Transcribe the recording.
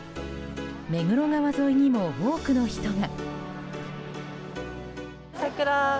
目黒川沿いにも多くの人が。